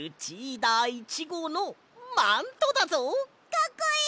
かっこいい！